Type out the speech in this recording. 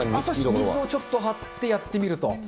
水をちょっと張ってやってみると。